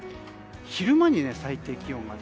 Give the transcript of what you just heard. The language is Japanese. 昼間に最低気温。